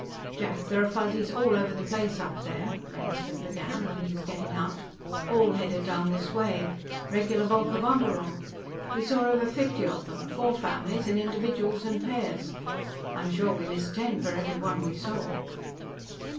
"Jack, there are Fuzzies all over the place up there," Rainsford began, while he was getting out. "All headed down this way; regular Volkerwanderung. We saw over fifty of them four families, and individuals and pairs. I'm sure we missed ten for every one we saw."